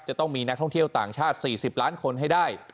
จะต้องมีนักท่องเที่ยวต่างชาติ๔๐ล้านคนให้ได้